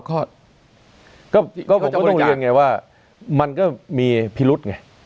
ก็ผมก็ต้องเรียนไงว่ามันก็มีพิรุษไง